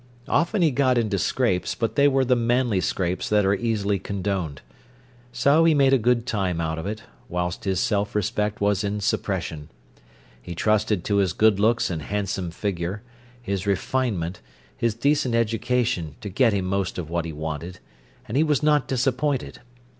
Often he got into scrapes, but they were the manly scrapes that are easily condoned. So he made a good time out of it, whilst his self respect was in suppression. He trusted to his good looks and handsome figure, his refinement, his decent education to get him most of what he wanted, and he was not disappointed.